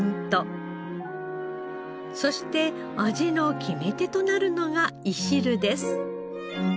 そして味の決め手となるのがいしるです。